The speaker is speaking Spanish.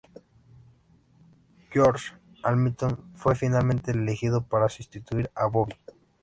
George Hamilton fue finalmente el elegido para sustituir a Bobby.